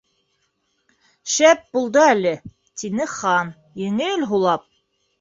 —Шәп булды әле, —тине Хан, еңел һулап.